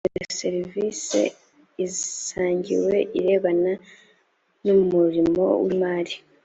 iyo serivisi isangiwe irebana n umurimo w imari